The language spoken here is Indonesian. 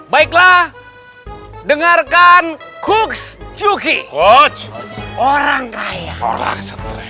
baiklah dengarkan kukyuki coach orang kaya orang